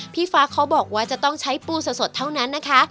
พี่ฟ้าเขาบอกว่าจะต้องใช้ปูสดเท่านั้นนะคะ